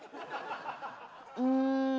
うん。